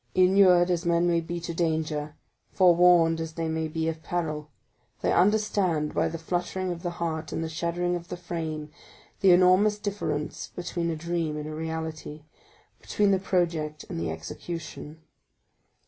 Inured as men may be to danger, forewarned as they may be of peril, they understand, by the fluttering of the heart and the shuddering of the frame, the enormous difference between a dream and a reality, between the project and the execution.